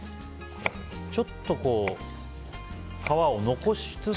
ちょっと皮を残しつつ？